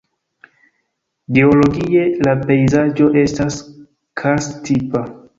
Geologie la pejzaĝo estas karst-tipa.